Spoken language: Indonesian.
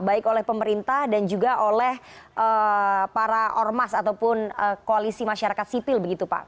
baik oleh pemerintah dan juga oleh para ormas ataupun koalisi masyarakat sipil begitu pak